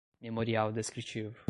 memorial descritivo